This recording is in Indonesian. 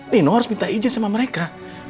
neno harus minta izin sama mereka